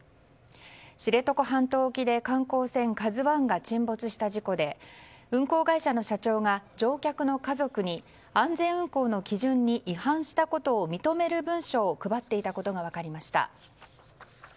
知床半島沖で観光船「ＫＡＺＵ１」が沈没した事故で運航会社の社長が乗客の家族に安全運航の基準に違反したことを認める文書を配っていたことが分かりました。